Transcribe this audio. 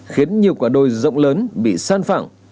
khiến nhiều quả đồi rộng lớn bị san phẳng